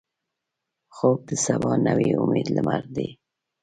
خوب د سبا نوې امیدي لمر دی